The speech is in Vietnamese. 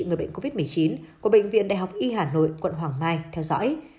người bệnh covid một mươi chín của bệnh viện đại học y hà nội quận hoàng mai theo dõi